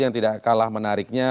yang tidak kalah menariknya